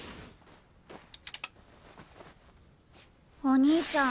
お兄ちゃん